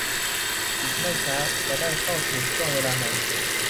อีกไม่ช้าจะได้เข้าสู่ช่วงเวลาใหม่